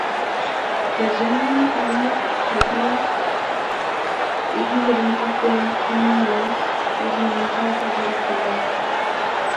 The German Army had no equivalent of the Commonwealth Regimental Sergeant Major.